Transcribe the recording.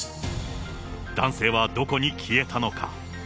男性はどこに消えたのか。